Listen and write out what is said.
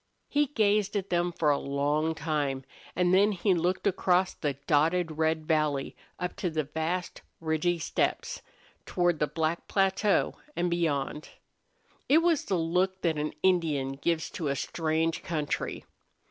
He gazed at them for a long time, and then he looked across the dotted red valley up to the vast ridgy steppes, toward the black plateau and beyond. It was the look that an Indian gives to a strange country.